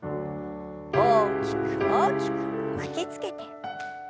大きく大きく巻きつけて。